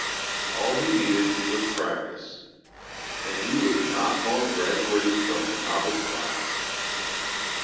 All he needed was practise, and he was not long graduating from the novice class.